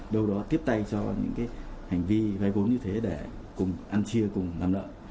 đâu đó tiếp tay cho những hành vi vay vốn như thế để cùng ăn chia cùng làm lợi